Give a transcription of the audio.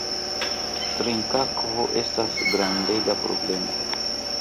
Trinkakvo estas grandega problemo.